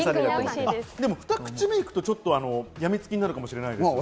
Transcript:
２口目いくとちょっとやみつきになるかもしれないですね。